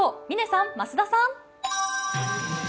嶺さん、増田さん。